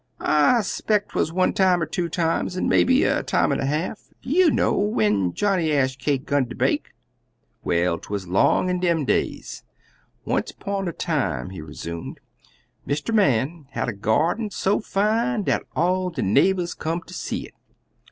"I speck 'twuz one time er two times, er maybe a time an' a half. You know when Johnny Ashcake 'gun ter bake? Well, 'twuz 'long in dem days. Once 'pon a time," he resumed, "Mr. Man had a gyarden so fine dat all de neighbors come ter see it.